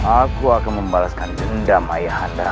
aku akan membalaskan dendam ayah anda